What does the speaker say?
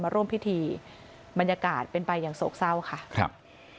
ร่วมพิธีบรรยากาศเป็นไปอย่างโศกเศร้าค่ะครับ